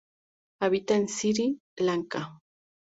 Habita en Sri Lanka.